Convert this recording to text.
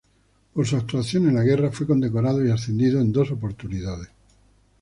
Por su actuación en la guerra fue condecorado y ascendido en dos oportunidades.